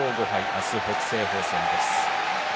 明日は北青鵬戦です。